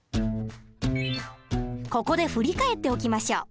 ここで振り返っておきましょう。